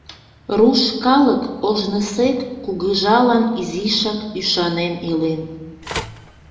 Руш калык ожнысек кугыжалан изишак ӱшанен илен.